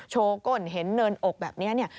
ก้นเห็นเนินอกแบบนี้เนี่ย